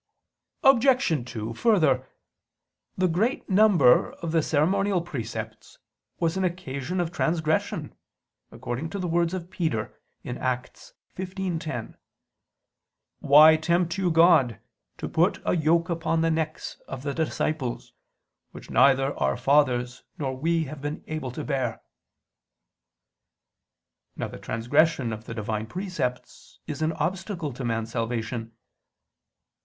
Obj. 2: Further, the great number of the ceremonial precepts was an occasion of transgression, according to the words of Peter (Acts 15:10): "Why tempt you God, to put a yoke upon the necks of the disciples, which neither our fathers nor we have been able to bear?" Now the transgression of the Divine precepts is an obstacle to man's salvation.